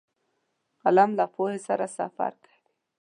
قلم له پوهې سره سفر کوي